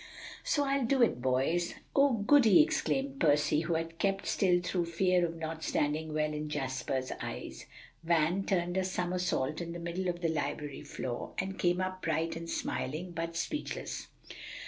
"So I'll do it, boys." "Oh, goody!" exclaimed Percy, who had kept still through fear of not standing well in Jasper's eyes. Van turned a somersault in the middle of the library floor, and came up bright and smiling, but speechless.